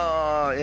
え？